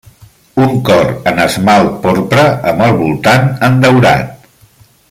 Un cor en esmalt porpra, amb el voltant en daurat.